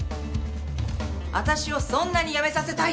私をそんなに辞めさせたいですか！？